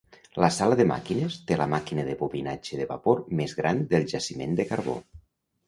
La sala de màquines té la màquina de bobinatge de vapor més gran del jaciment de carbó.